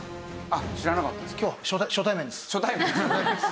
あっ知らなかったですか？